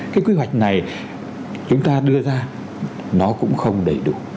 cái quy hoạch này chúng ta đưa ra nó cũng không đầy đủ